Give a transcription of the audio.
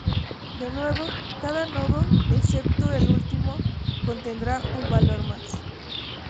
De nuevo, cada nodo excepto el último contendrá un valor más.